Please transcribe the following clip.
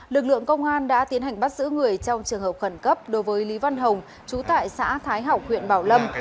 lực lượng công an đã tiến hành bắt giữ người trong trường hợp khẩn cấp đối với lý văn hồng chú tại xã thái học huyện bảo lâm